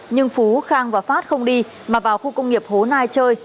nhưng phú khang và phát không đi mà vào khu công nghiệp hố nai chơi